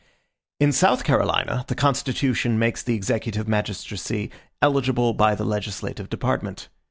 In South Carolina, the constitution makes the executive magistracy eligible by the legislative department.